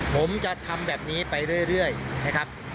ผมจะทำแบบนี้ไปเรื่อยนะครับ